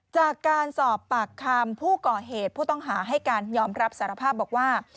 จากการสอบปากคำผู้ก่อเหตุผู้ต้องหาให้การยอมรับสารภาพบอกว่า